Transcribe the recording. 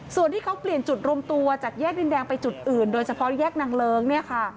ส่วนที่เขาเปลี่ยนจุดรวมตัวจากแยกดินแดงไปจุดอื่นโดยเฉพาะแยกนางเลิ้งเนี่ยค่ะ